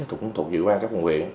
cũng thuộc dự quan các quận huyện